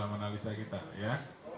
atau yang cuti atau